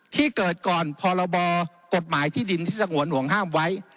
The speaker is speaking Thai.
ที่เกิดก่อนพรบกฎหมายที่ดินที่สงวนห่วงห้ามไว้